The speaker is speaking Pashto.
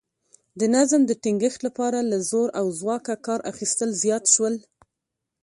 د نظم د ټینګښت لپاره له زور او ځواکه کار اخیستل زیات شول